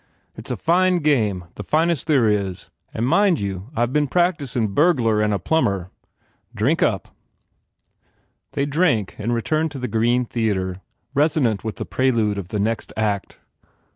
It s a fine game the finest there is and, mind you, I ve been a practicin* bhurglar and a plumber. Drink up." They drank and returned to the green theatre, resonant with the prelude of the next act.